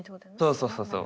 そうそうそうそう。